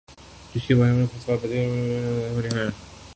کہ جس کے بعد فتویٰ بازی قابلِ دست اندازیِ پولیس جرم بن جائے